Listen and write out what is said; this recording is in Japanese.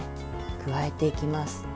加えていきます。